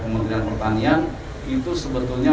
kementerian pertanian itu sebetulnya